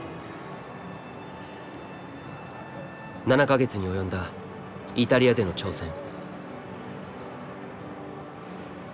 ７か月に及んだイタリアでの挑戦。